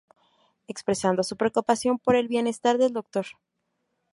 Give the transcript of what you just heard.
Expresando su preocupación por el bienestar del Doctor.